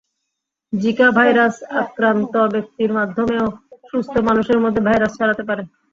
Zika virus আক্রান্ত ব্যক্তির মাধ্যমেও সুস্থ মানুষের মধ্যে ভাইরাস ছড়াতে পারে।